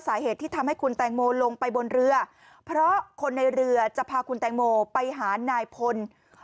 สาเหตุที่ทำให้คุณแตงโมลงไปบนเรือเพราะคนในเรือจะพาคุณแตงโมไปหานายพล